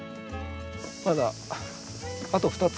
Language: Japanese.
まだあと２つ。